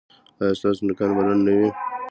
ایا ستاسو نوکان به لنډ نه وي؟